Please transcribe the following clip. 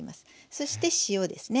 そして塩ですね。